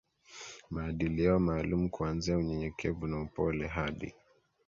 maadili yao maalumu kuanzia unyenyekevu na upole hadi